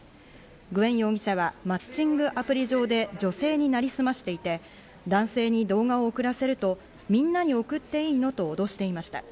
グエン容疑者はマッチングアプリ上で女性になりすましていて、男性に動画を送らせるとみんなに送っていいの？と脅していました。